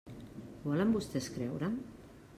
Volen vostès creure'm?